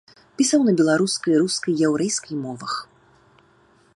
Пісаў на беларускай, рускай, яўрэйскай мовах.